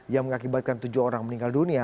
yang mengakibatkan tujuh orang meninggal dunia